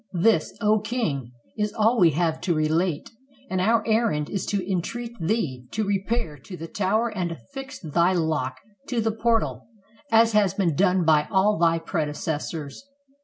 This, 0 king, is all we have to relate; and our errand is to entreat thee to repair to the tower and afi&x thy lock to the portal, as has been done by all thy predecessors."